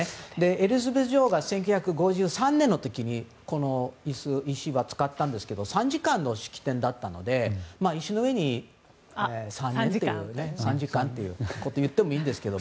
エリザベス女王が１９５３年の時にこの石は使ったんですけど３時間の式典だったので石の上に３時間ということを言ってもいいんですけど。